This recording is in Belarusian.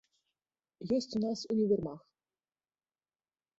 Ёсць у нас універмаг.